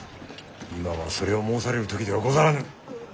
今はそれを申される時ではござらぬ。